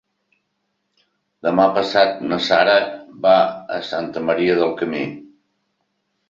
Demà passat na Sara va a Santa Maria del Camí.